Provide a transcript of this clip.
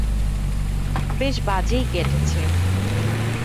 বেশ বাজেই কেটেছে।